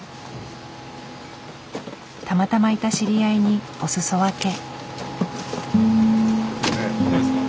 たまたまいた知り合いにおすそ分け。